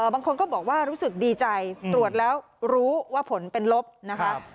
บางคนก็บอกว่ารู้สึกดีใจตรวจแล้วรู้ว่าผลเป็นลบนะคะ